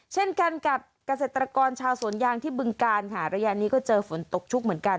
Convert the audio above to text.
เช่นกันกับเกษตรกรชาวสวนยางที่บึงการค่ะระยะนี้ก็เจอฝนตกชุกเหมือนกัน